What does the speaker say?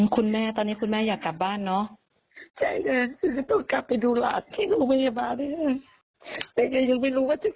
คุณแม่ตอนนี้คุณแม่อยากกลับบ้านเนาะ